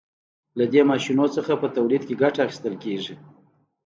له دې ماشینونو څخه په تولید کې ګټه اخیستل کیږي.